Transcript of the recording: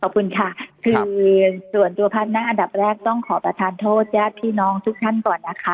ขอบคุณค่ะคือส่วนตัวพาร์ทนะอันดับแรกต้องขอประทานโทษญาติพี่น้องทุกท่านก่อนนะคะ